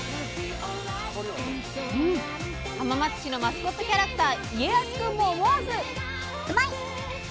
浜松市のマスコットキャラクター家康くんも思わず。